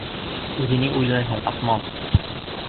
— Үҙе ни уйлай һуң Аҡмал?